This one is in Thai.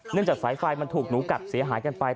เนื่องจากไฟล์มันถูกหนูกัดเสียหายกันไป